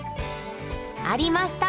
ありました！